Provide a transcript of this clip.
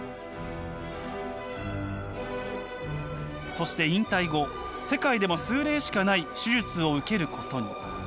そして引退後世界でも数例しかない手術を受けることに。